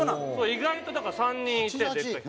意外とだから３人いて。